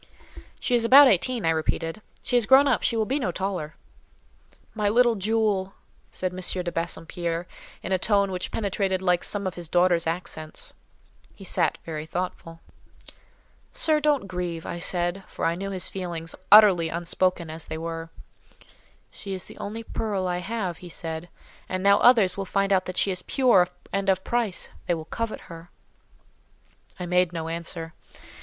"She is about eighteen," I repeated. "She is grown up; she will be no taller." "My little jewel!" said M. de Bassompierre, in a tone which penetrated like some of his daughter's accents. He sat very thoughtful. "Sir, don't grieve," I said; for I knew his feelings, utterly unspoken as they were. "She is the only pearl I have," he said; "and now others will find out that she is pure and of price: they will covet her." I made no answer.